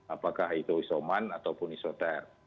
apakah itu isoman ataupun isoter